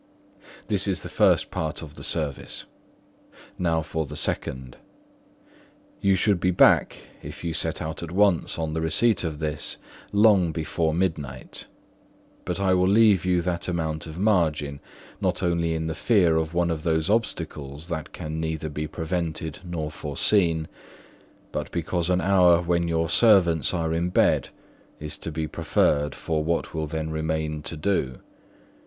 "That is the first part of the service: now for the second. You should be back, if you set out at once on the receipt of this, long before midnight; but I will leave you that amount of margin, not only in the fear of one of those obstacles that can neither be prevented nor foreseen, but because an hour when your servants are in bed is to be preferred for what will then remain to do.